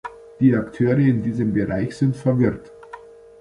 Die Akteure in diesem Bereich sind verwirrt.